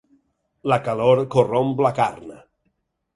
La calor corromp la carn.